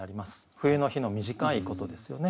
冬の日の短いことですよね。